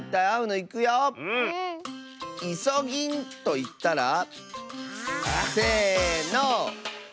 「いそぎん」といったら？せの！